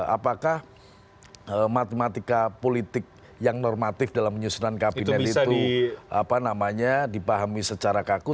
apakah matematika politik yang normatif dalam menyusunan kabinet itu dipahami secara kaku